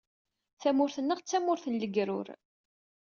Tamurt-nneɣ d tamurt n legrur.